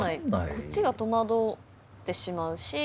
こっちが戸惑ってしまうし。